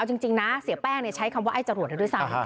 เอาจริงนะเสียแป้งใช้คำว่าไอ้จรวดเลยด้วยซ้ำ